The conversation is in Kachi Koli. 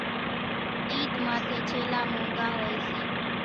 عيڌ ماٿيَ ڇيلا مونگھا هوئيَ سي۔